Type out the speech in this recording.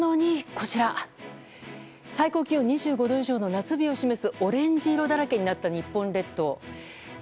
こちら、最高気温２５度以上の夏日を示すオレンジ色だらけになった日本列島。